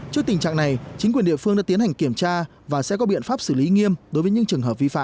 trước tình trạng này chính quyền địa phương đã tiến hành kiểm tra và sẽ có biện pháp xử lý nghiêm đối với những trường hợp vi phạm